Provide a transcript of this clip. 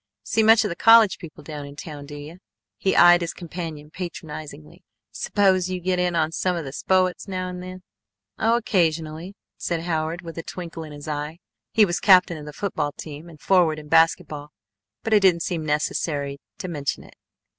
See much of the college people down in town do you?" He eyed his companion patronizingly. "S'pose you get in on some of the spoahts now and then?" "Oh, occasionally," said Howard with a twinkle in his eye. He was captain of the football team and forward in basket ball, but it didn't seem to be necessary to mention it.